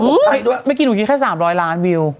เมื่อกี้หนูคิดแค่๓๐๐ล้านวิว